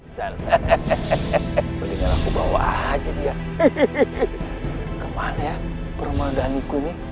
sel sel hehehe bawa aja dia kemana ya perumahan ikuni